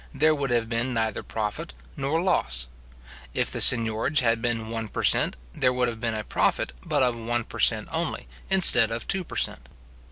there would have been neither profit nor loss. If the seignorage had been one per cent., there would have been a profit but of one per cent. only, instead of two per cent.